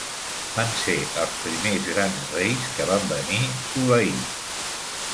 Van ser els primers Grans Reis que van venir d'Ulaid.